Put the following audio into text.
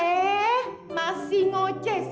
eh masih ngoceh